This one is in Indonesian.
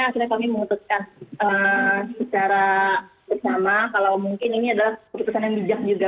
akhirnya kami memutuskan secara bersama kalau mungkin ini adalah keputusan yang bijak juga